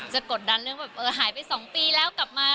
กดดันเรื่องแบบเออหายไป๒ปีแล้วกลับมา